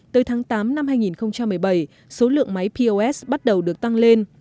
tới tháng tám năm hai nghìn một mươi bảy số lượng máy pos bắt đầu được thay đổi